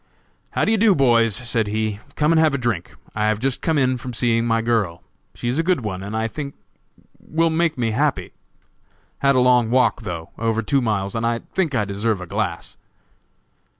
"How do you do, boys?" said he, "come and have a drink; I have just come in from seeing my girl; she is a good one, and I think will make me happy; had a long walk, though; over two miles, and I think I deserve a glass."